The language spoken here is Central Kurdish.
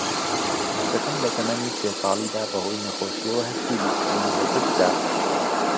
کچەکەم لە تەمەنی سێ ساڵیدا بە هۆی نەخۆشییەوە هەستی بیستنی لەدەست دا